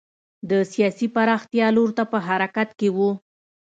د سیاسي پراختیا لور ته په حرکت کې و.